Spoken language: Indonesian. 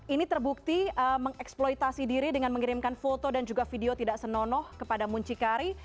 ini terbukti mengeksploitasi diri dengan mengirimkan foto dan juga video tidak senonoh kepada muncikari